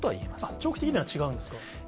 長期的には違うんですか。